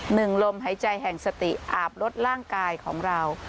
ลมหายใจแห่งสติอาบลดร่างกายของเรา